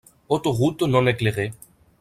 Autoroute non éclairée.